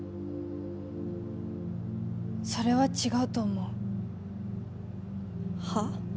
それは違うと思うはあ？